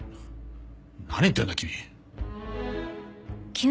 何言ってるんだ君。